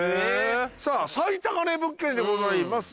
さぁ最高値物件でございます。